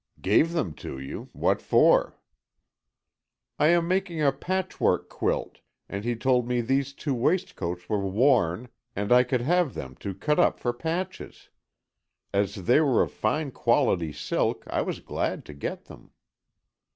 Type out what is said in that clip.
"Gave them to you! What for?" "I am making a patchwork quilt, and he told me these two waistcoats were worn and I could have them to cut up for patches. As they were of fine quality silk, I was glad to get them."